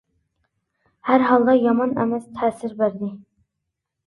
ھەر ھالدا يامان ئەمەس تەسىر بەردى.